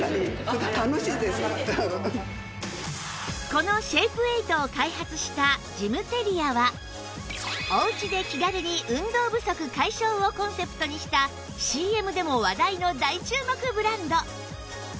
このシェイプエイトを開発したジムテリアはおうちで気軽に運動不足解消をコンセプトにした ＣＭ でも話題の大注目ブランド